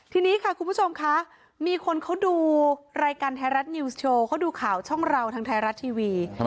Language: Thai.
ทีนี้ค่ะคุณผู้ชมคะมีคนเขาดูรายการไทยรัฐนิวส์โชว์เขาดูข่าวช่องเราทางไทยรัฐทีวี